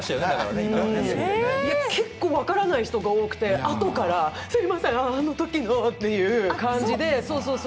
結構分からない人が多くて、あとから、「すみません、あのときの」という感じで。